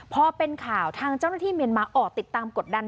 พอเป็นข่าวทางเจ้าหน้าที่เมียนมาออกติดตามกดดัน